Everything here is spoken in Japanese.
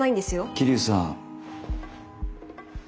桐生さん。